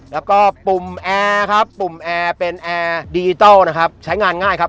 แล้วก็ปุ่มแอร์เป็นแอร์ดิจิทัลใช้งานง่าย